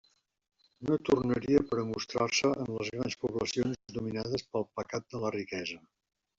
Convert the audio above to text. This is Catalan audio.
No tornaria per a mostrar-se en les grans poblacions dominades pel pecat de la riquesa.